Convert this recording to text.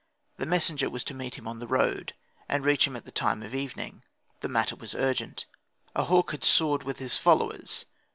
The messenger was to meet him on the road, and reach him at the time of evening: the matter was urgent. "A hawk had soared with his followers."